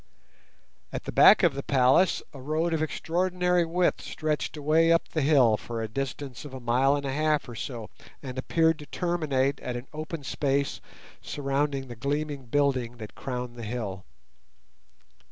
At the back of the palace a road of extraordinary width stretched away up the hill for a distance of a mile and a half or so, and appeared to terminate at an open space surrounding the gleaming building that crowned the hill.